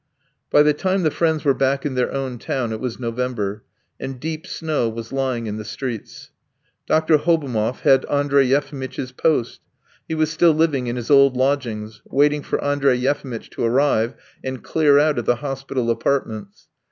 By the time the friends were back in their own town it was November, and deep snow was lying in the streets. Dr. Hobotov had Andrey Yefimitch's post; he was still living in his old lodgings, waiting for Andrey Yefimitch to arrive and clear out of the hospital apartments.